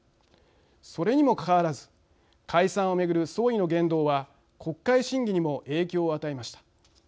それにもかかわらず解散を巡る総理の言動は国会審議にも影響を与えました。